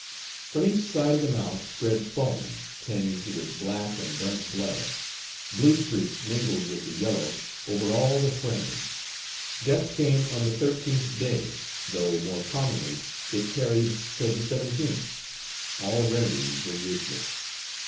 From each side of the mouth spread foam, tinged with black and burnt blood. Blue streaks mingled with the yellow over all the frame. Death came on the thirteenth day, though more commonly it tarried till the seventeenth. All remedies were useless.